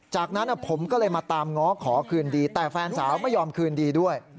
จากนั้นผมก็เลยมาตามง้อขอคืนดีแต่แฟนสาวไม่ยอมคืนดีด้วย